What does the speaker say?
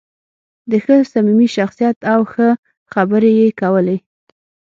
دی ښه صمیمي شخصیت و او ښه خبرې یې کولې.